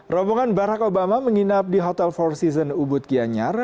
robongan barack obama menginap di hotel four seasons ubud kianyar